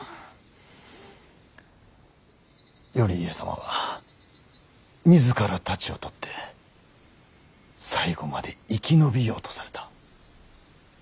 頼家様は自ら太刀を取って最後まで生き延びようとされた。